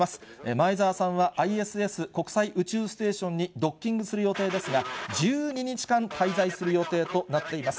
前澤さんはＩＳＳ・国際宇宙ステーションにドッキングする予定ですが、１２日間滞在する予定となっています。